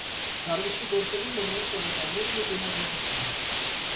Դարվիշի գործերին բնորոշ է ոճավորումն ու գունագեղությունը։